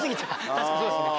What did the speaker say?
確かにそうですね。